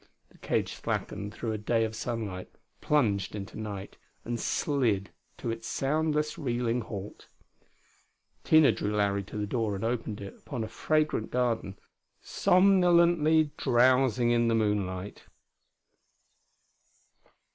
The cage slackened through a day of sunlight; plunged into a night; and slid to its soundless, reeling halt.... Tina drew Larry to the door and opened it upon a fragrant garden, somnolently drowsing in the moonlight.